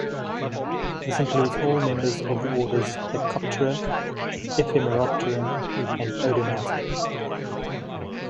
This includes all members of the orders Plecoptera, Ephemeroptera, and Odonata.